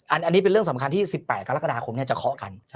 อันนี้เป็นเรื่องสำคัญที่๑๘กรกฎาคมจะเคาะกัน